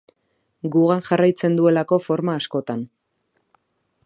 Gugan jarraitzen duelako forma askotan.